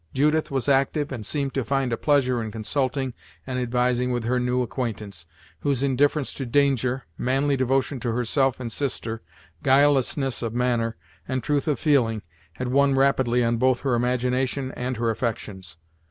Judith was active, and seemed to find a pleasure in consulting and advising with her new acquaintance, whose indifference to danger, manly devotion to herself and sister, guilelessness of manner, and truth of feeling, had won rapidly on both her imagination and her affections.